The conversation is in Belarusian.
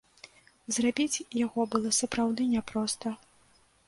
Зрабіць яго было сапраўды няпроста.